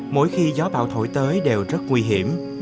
mỗi khi gió bão thổi tới đều rất nguy hiểm